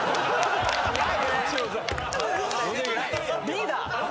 リーダー！